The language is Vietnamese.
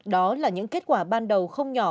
đó là những kết quả ban đầu không nhỏ